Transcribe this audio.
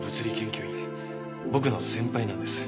僕の先輩なんです。